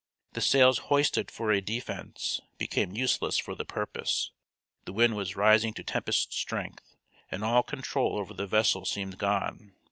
The sails hoisted for a defence became useless for the purpose, the wind was rising to tempest strength, and all control over the vessel seemed gone.